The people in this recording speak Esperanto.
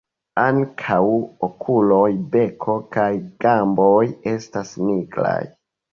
Ankaŭ okuloj, beko kaj gamboj estas nigraj.